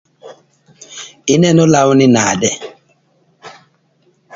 Ineno lawni nade?